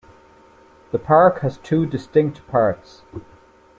The park has two distinct parts.